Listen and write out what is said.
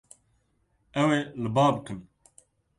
Ew ê li ba bikin.